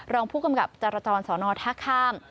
รองผู้กำกับจรจรสอนอท่าข้าม